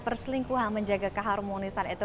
perselingkuhan menjaga keharmonisan itu